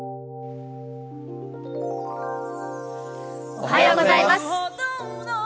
おはようございます。